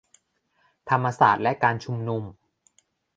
ธรรมศาสตร์และการชุมนุม